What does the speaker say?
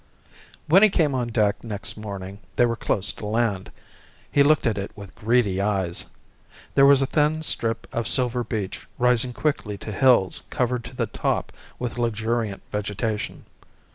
When he came on deck next morning they were close to land. He looked at it with greedy eyes. There was a thin strip of silver beach rising quickly to hills covered to the top with luxuriant vegetation.